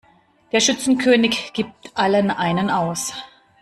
Der Schützenkönig gibt allen einen aus.